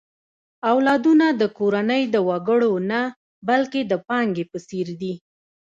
اولادونه د کورنۍ د وګړو نه، بلکې د پانګې په څېر دي.